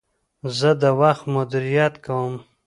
زه د وخت مدیریت کوم.